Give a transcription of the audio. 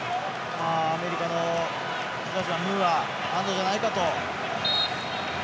アメリカのムーアハンドじゃないかと。